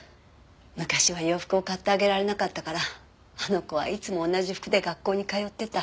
昔は洋服を買ってあげられなかったからあの子はいつも同じ服で学校に通ってた。